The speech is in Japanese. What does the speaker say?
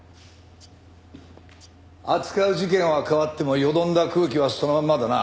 扱う事件は変わってもよどんだ空気はそのまんまだな。